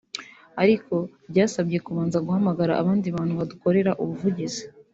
ariko byasabye kubanza guhamagara abandi bantu badukorera ubuvugizi